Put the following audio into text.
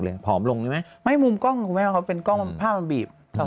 เลยผอมลงไหมไม่มุมกล้องของแม่เขาเป็นกล้องภาพบีบตลอด